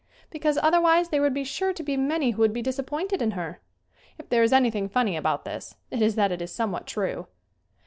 Because otherwise there would be sure to be many who would be disappointed in her! If there is anything funny about this it is that it is somewhat true.